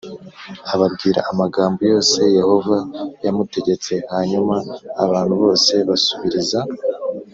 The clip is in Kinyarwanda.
Ababwira amagambo yose yehova yamutegetse hanyuma abantu bose basubiriza